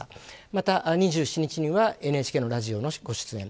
また、２７日にはＮＨＫのラジオのご出演。